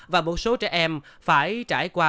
và một số trẻ em phải trải qua